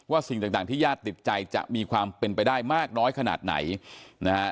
สิ่งต่างที่ญาติติดใจจะมีความเป็นไปได้มากน้อยขนาดไหนนะฮะ